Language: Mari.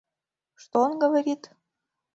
Что он говорит?..